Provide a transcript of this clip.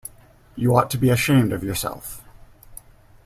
You ought to be ashamed of yourself.